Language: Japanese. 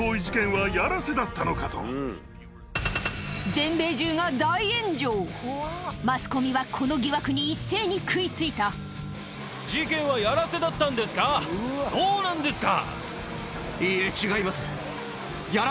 全米中がマスコミはこの疑惑に一斉に食い付いたどうなんですか？